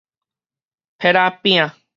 撇仔餅